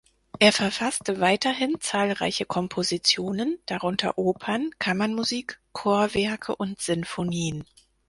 Er verfasste weiterhin zahlreiche Kompositionen, darunter Opern, Kammermusik, Chorwerke und Sinfonien.